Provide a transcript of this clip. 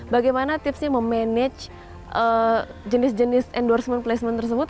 bagaimana tipsnya memanage jenis jenis endorsement placement tersebut